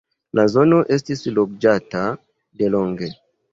La zono estis loĝata delonge.